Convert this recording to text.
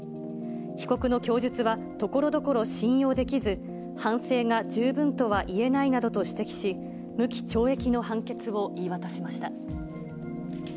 被告の供述はところどころ信用できず、反省が十分とは言えないなどと指摘し、無期懲役の判決を言い渡しました。